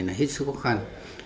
là hết sức khó khăn